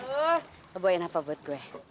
bu lo mau minum apa buat gue